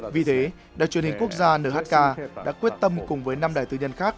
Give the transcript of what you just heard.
vì thế đài truyền hình quốc gia nhk đã quyết tâm cùng với năm đài tư nhân khác